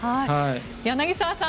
柳澤さん